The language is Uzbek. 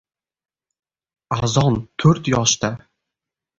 "Azon" to‘rt yoshda!